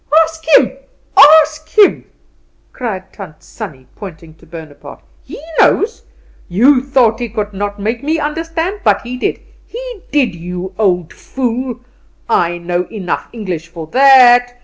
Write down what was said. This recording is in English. "Ask him, ask him?" cried Tant Sannie, pointing to Bonaparte; "he knows. You thought he could not make me understand, but he did, he did, you old fool! I know enough English for that.